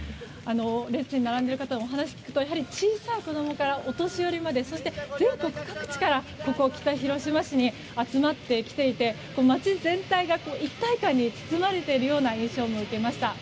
列に並んでいる方にお話を聞くと小さい子供からお年寄りまでそして、全国各地からここ北広島市に集まってきていて街全体が一体感に包まれているような印象も受けました。